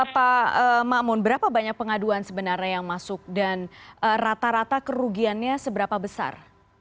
pak makmun berapa banyak pengaduan sebenarnya yang masuk dan rata rata kerugiannya seberapa besar